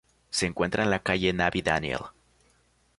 Se encuentra en la calle Nabi Daniel.